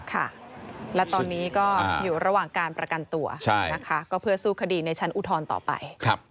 ค่ะและตอนนี้ก็อยู่ระหว่างการประกันตัวนะคะก็เพื่อสู้คดีในชั้นอุทธรณ์ต่อไป